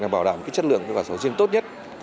bảo đảm chất lượng sầu riêng tốt nhất